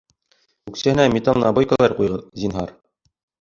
Үксәһенә металл набойкалар ҡуйығыҙ, зинһар